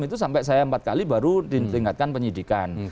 itu sampai saya empat kali baru ditingkatkan penyidikan